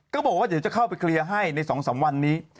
ก็บอกว่าเดี๋ยวจะเข้าไปเคลียร์ให้ใน๒๓วันนี้